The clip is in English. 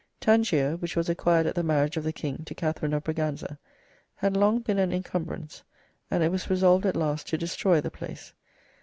Tangier, which was acquired at the marriage of the King to Katharine of Braganza, had long been an incumbrance, and it was resolved at last to destroy the place.